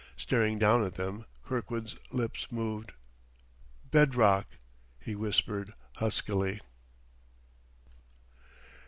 Staring down at them, Kirkwood's lips moved. "Bed rock!" he whispered huskily.